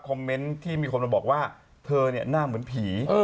เมนต์ที่มีคนมาบอกว่าเธอเนี่ยหน้าเหมือนผี